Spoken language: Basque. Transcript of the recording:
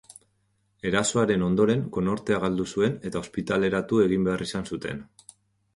Erasoaren ondoren, konortea galdu zuen eta ospitaleratu egin behar izan zuten.